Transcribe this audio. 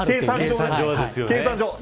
計算上は。